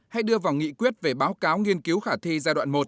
hay đưa vào nghị quyết về báo cáo nghiên cứu khả thi giai đoạn một